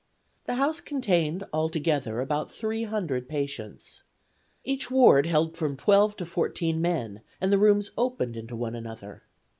The house contained altogether about three hundred patients. Each ward held from twelve to fourteen men, and the rooms opened into one another.